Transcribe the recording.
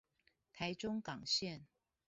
臺中港線